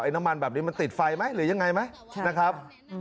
น้ำมันแบบนี้มันติดไฟไหมหรือยังไงไหมนะครับ